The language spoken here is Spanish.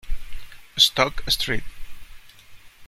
Stoke St.